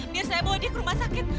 biar saya bawa dia ke rumah sakit